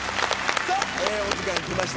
さぁお時間きました。